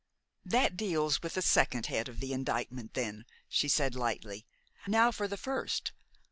"That deals with the second head of the indictment, then," she said lightly. "Now for the first.